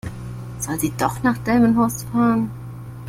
Soll sie doch nach Delmenhorst fahren?